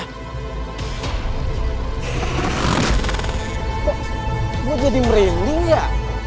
kok gue jadi merinding ya